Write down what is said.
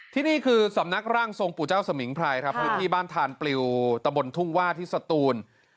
ที่นี่คือสำนักร่างทรงปู่เจ้าสมิงไพรครับพื้นที่บ้านทานปลิวตะบนทุ่งว่าที่สตูน